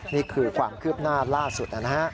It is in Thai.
นี่คือความคืบหน้าล่าสุดนะฮะ